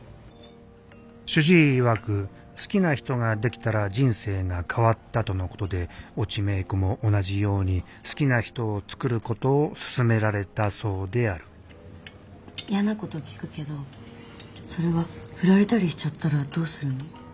主治医いわく好きな人ができたら人生が変わったとのことで越智芽衣子も同じように好きな人をつくることを勧められたそうであるやなこと聞くけどそれは振られたりしちゃったらどうするの？